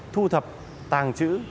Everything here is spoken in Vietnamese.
thu thập tàng trữ